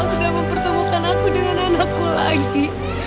sudah mempertemukan aku dengan anakku lagi